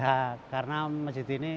bacaan yang tepat k oso tir kan